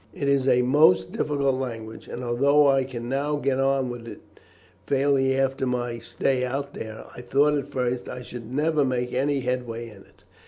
It is a most difficult language, and although I can now get on with it fairly after my stay out there, I thought at first I should never make any headway in it.